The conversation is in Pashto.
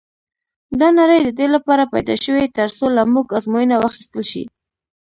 دا نړۍ د دې لپاره پيدا شوې تر څو له موږ ازموینه واخیستل شي.